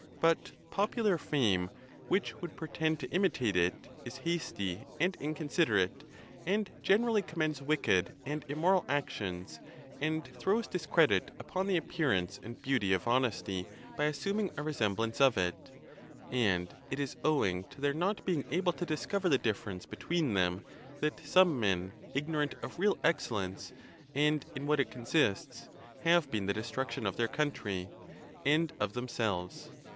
But popular fame, which would pretend to . imitate it, is hasty and inconsiderate, and generally com mends wicked and immoral actions, and throws discredit upon the appearance and beauty of honesty by assuming ee a ae eS ee he ee eee ee ee Sais ON GRIEF OF MIND. 93 a resemblance of it. And it is owing to their not being able to discover the difference between them that some men, ignorant of real excellence, and in what it consists, have been the destruction of their country and of them selves.